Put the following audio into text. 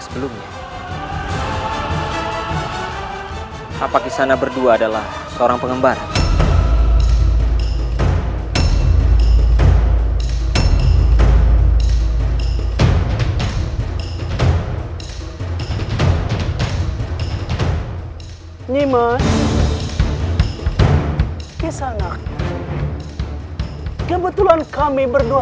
semua pukulan yang dinda berikan kepada kak kanda